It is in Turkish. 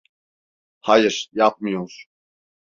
Hayır, yapmıyor.